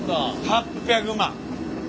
８００万。